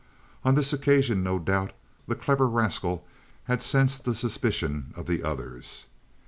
On this occasion no doubt the clever rascal had sensed the suspicion of the others.